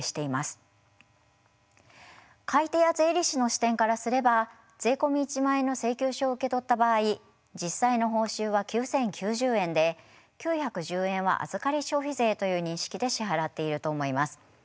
買い手や税理士の視点からすれば税込１万円の請求書を受け取った場合実際の報酬は９，０９０円で９１０円は預り消費税という認識で支払っていると思います。